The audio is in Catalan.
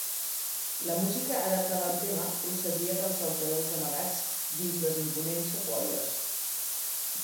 La música adaptada al tema procedia dels altaveus amagats dins les imponents sequoies.